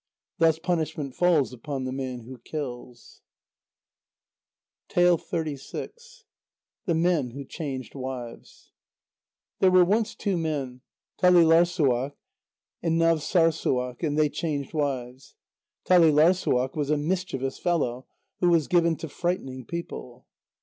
Thus punishment falls upon the man who kills. THE MEN WHO CHANGED WIVES There were once two men, Talîlarssuaq and Navssârssuaq, and they changed wives. Talîlarssuaq was a mischievous fellow, who was given to frightening people.